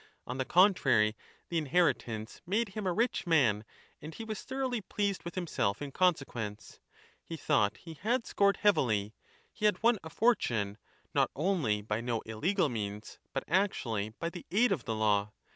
On the con trary, the inheritance made him a rich man, and he was thoroughly pleased with himself in consequence. He thought he had scored heavily : hi '' fortune, not only by no illegal means, but actually by the aid of the law.